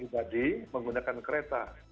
jadi menggunakan kereta